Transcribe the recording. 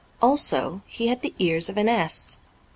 Also, he had the ears of an ass.